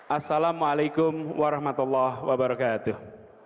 assalamualaikum warahmatullahi wabarakatuh